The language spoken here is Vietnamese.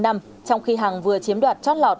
trong khi hằng vừa chiếm đoạt chót lọt